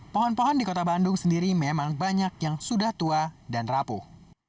pohon pohon di kota bandung sendiri memang banyak yang sudah tua dan rapuh